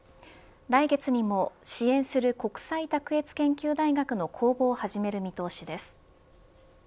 来月にも支援する国際卓越研究大学の公募を始める見通しです。